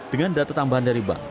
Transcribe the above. dengan data tambahan dari bank